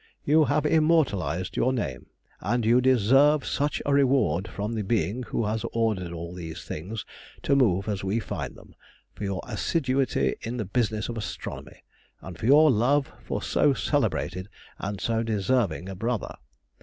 You have immortalized your name, and you deserve such a reward from the Being who has ordered all these things to move as we find them, for your assiduity in the business of astronomy, and for your love for so celebrated and so deserving a brother.